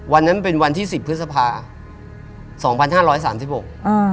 วันนั้นเป็นวันที่๑๐พฤษภาคม